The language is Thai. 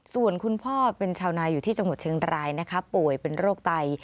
ส่วนคุณพ่อเป็นชาวนาอยู่ที่จังหวัดเชียงรายนะคะป่วยเป็นโรคไต